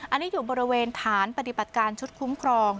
อันนี้อยู่บริเวณฐานปฏิบัติการชุดคุ้มครอง